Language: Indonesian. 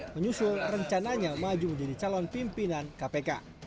menyusul rencananya maju menjadi calon pimpinan kpk